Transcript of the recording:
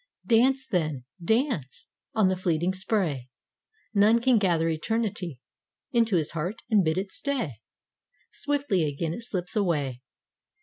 Dance then, dance, on the fleeting spray! None can gather eternity Into his heart and bid it stay, Swiftly again it slips away.